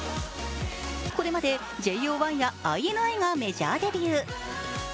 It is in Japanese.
これまでＪＯ１やＩＮＩがメジャーデビュー。